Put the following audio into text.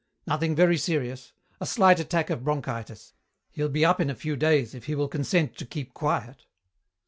"Nothing very serious. A slight attack of bronchitis. He'll be up in a few days if he will consent to keep quiet."